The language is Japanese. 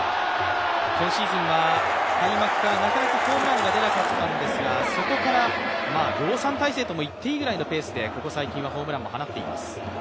今シーズンは開幕からなかなかホームランが出なかったんですがそこから量産体制と言っていいぐらいのペースでここ最近はホームランも放っています。